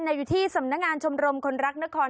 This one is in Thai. อยู่ที่สำนักงานชมรมคนรักนคร